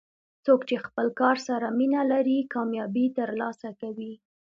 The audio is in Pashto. څوک چې خپل کار سره مینه لري، کامیابي ترلاسه کوي.